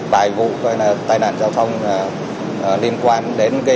bài vụ tai nạn giao thông liên quan đến cái